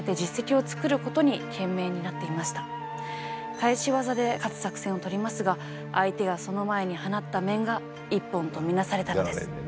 返し技で勝つ作戦をとりますが相手がその前に放った面が一本と見なされたのです。